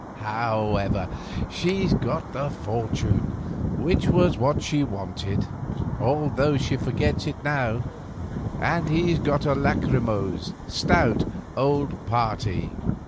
However, she's got the fortune, which was what she wanted, although she forgets it now, and he's got a lachrymose, stout, old party.